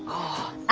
あ。